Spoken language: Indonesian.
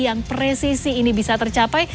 yang presisi ini bisa tercapai